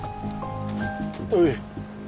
おい。